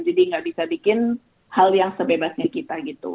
jadi gak bisa bikin hal yang sebebasnya kita gitu